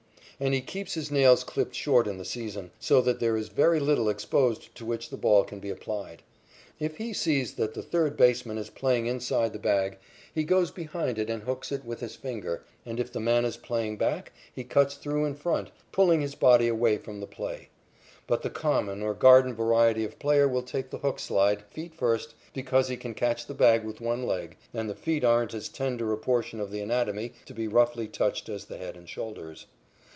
And he keeps his nails clipped short in the season, so that there is very little exposed to which the ball can be applied. If he sees that the third baseman is playing inside the bag, he goes behind it and hooks it with his finger, and if the man is playing back, he cuts through in front, pulling his body away from the play. But the common or garden variety of player will take the hook slide, feet first, because he can catch the bag with one leg, and the feet aren't as tender a portion of the anatomy to be roughly touched as the head and shoulders.